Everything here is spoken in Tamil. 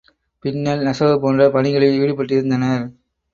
பின்னல், நெசவு போன்ற பணிகளில் ஈடுபட்டிருந்தனர்.